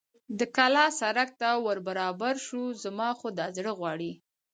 د کلا سړک ته ور برابر شو، زما خو دا زړه غواړي.